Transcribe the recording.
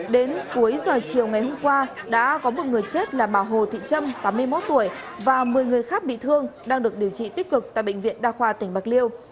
đến cuối giờ chiều ngày hôm qua đã có một người chết là bà hồ thị trâm tám mươi một tuổi và một mươi người khác bị thương đang được điều trị tích cực tại bệnh viện đa khoa tỉnh bạc liêu